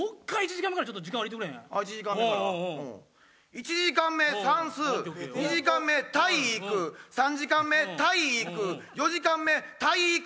１時間目算数２時間目体育３時間目体育４時間目体育大会。